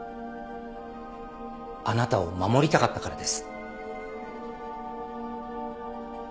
あなたを守りたかったからです。